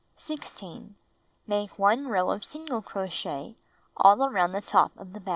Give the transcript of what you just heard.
16. Make 1 row of single crochet all around the top of the bag.